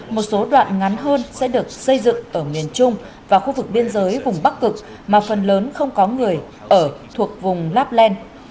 một số đoạn ngắn hơn sẽ được xây dựng ở miền trung và khu vực biên giới vùng bắc cực mà phần lớn không có người ở thuộc vùng lapland